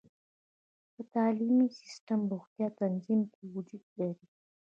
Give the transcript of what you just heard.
په تعلیمي سیستم، روغتیا او تنظیم کې وجود لري.